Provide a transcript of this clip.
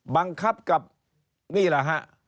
บังคับกับนี่แหละฮะ